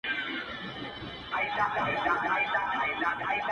ستا شهپر دي په اسمان کي بریالی وي!.